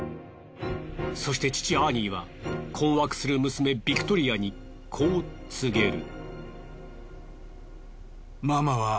そして父アーニーは困惑する娘ビクトリアにこう告げる。